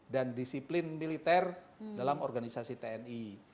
dan disiplin militer dalam organisasi tni